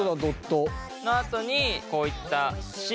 このあとにこういったシール。